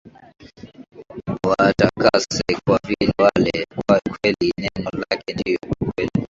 Uwatakase kwa ile kweli neno lako ndiyo kweli